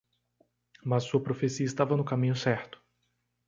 Mas sua profecia estava no caminho certo.